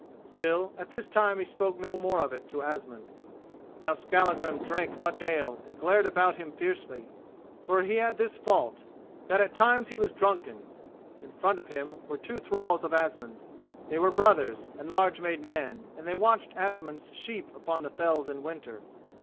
Still, at this time he spoke no more of it to Asmund. Now Skallagrim drank much ale, and glared about him fiercely; for he had this fault, that at times he was drunken. In front of him were two thralls of Asmund's; they were brothers, and large made men, and they watched Asmund's sheep upon the fells in winter.